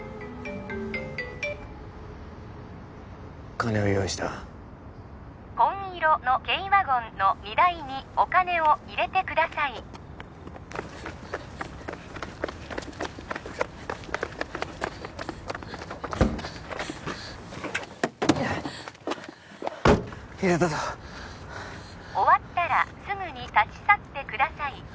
金は用意した紺色の軽ワゴンの荷台にお金を入れてください入れたぞ終わったらすぐに立ち去ってください